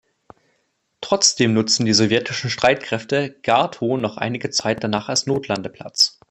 Trotzdem nutzten die sowjetischen Streitkräfte Gatow noch einige Zeit danach als Notlandeplatz.